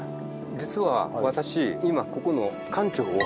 実は私今ここの館長を。